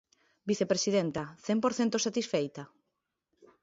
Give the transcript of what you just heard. Vicepresidenta, cen por cento satisfeita?